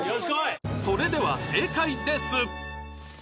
それでは正解です